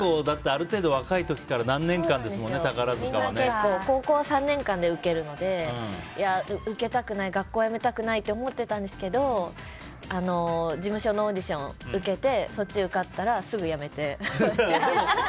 だってある程度、若い時からみんな結構、高校３年間で受けるので、受けたくない学校辞めたくないって思ってたんですけど事務所のオーディション受けてそっち受かったらすぐ辞めて。